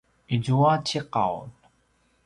izua ciqaw